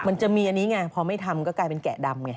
มันจะมีอันนี้ไงพอไม่ทำก็กลายเป็นแกะดำไง